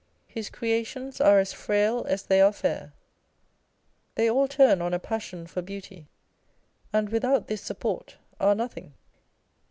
His creations are as frail as they are fair. They all turn on a passion for beauty, and without this support, are nothing.